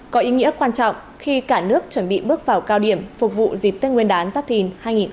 có ý nghĩa quan trọng khi cả nước chuẩn bị bước vào cao điểm phục vụ dịp tết nguyên đán giáp thìn hai nghìn hai mươi bốn